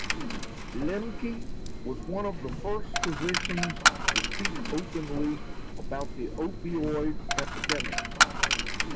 Lembke was one of the first physicians to speak openly about the opioid epidemic.